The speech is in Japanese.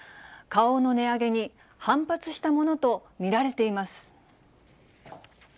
花王の値上げに反発したものと見られています。